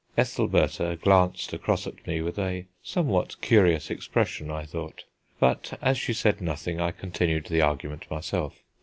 Ethelbertha glanced across at me with a somewhat curious expression, I thought; but as she said nothing, I continued the argument myself.